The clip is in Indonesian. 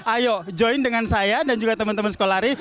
ayo join dengan saya dan juga teman teman sekolah re